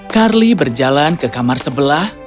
carly berjalan ke kamar sebelah